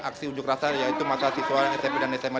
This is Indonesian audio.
aksi unjuk rasa yaitu masa siswa smp dan sma